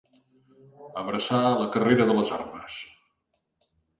Abraçar la carrera de les armes.